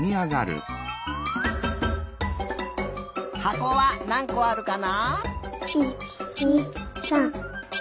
はこはなんこあるかな？